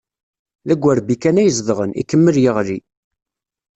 D agerbi kan ay zedɣen, ikemmel yeɣli.